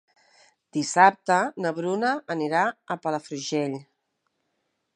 Dissabte na Bruna anirà a Palafrugell.